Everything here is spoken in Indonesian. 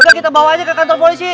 juga kita bawa aja ke kantor polisi